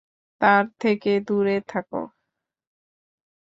তার থেকে দূরে থাকো।